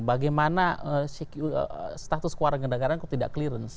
bagaimana status kewarganegaraan kok tidak clearance